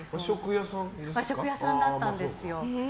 和食屋さんだったんです。